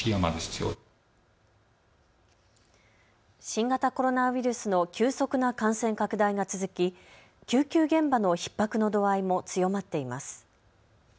新型コロナウイルスの急速な感染拡大が続き、救急現場のひっ迫の度合いも強まっています。